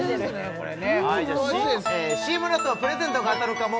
これねＣＭの後はプレゼントが当たるかも？